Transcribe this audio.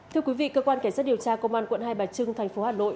thưa quý vị cơ quan cảnh sát điều tra công an quận hai bà trưng thành phố hà nội